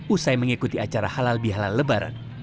usai mengikuti acara halal bihalal lebaran